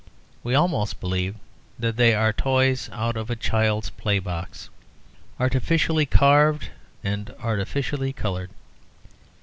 We almost believe that they are toys out of a child's play box, artificially carved and artificially coloured.